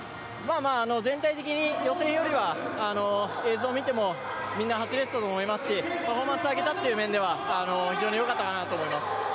全体的に予選よりは、映像を見てもみんな走れてたと思いますしパフォーマンス上げたという面では非常に良かったかなと思います。